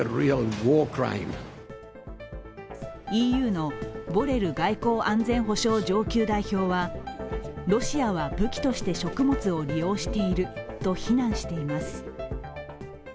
ＥＵのボレル外交安全保障上級代表はロシアは武器として食物を利用していると非難しています。